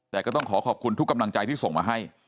แต่ก็ต้องขอขอบคุณทุกกำลังใจที่ส่งมาให้